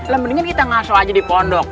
lah mendingan kita ngasuh aja di pondok